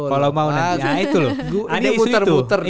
ya itu loh ada isu itu